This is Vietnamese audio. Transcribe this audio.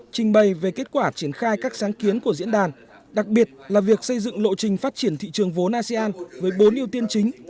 trình bày về kết quả triển khai các sáng kiến của diễn đàn đặc biệt là việc xây dựng lộ trình phát triển thị trường vốn asean với bốn ưu tiên chính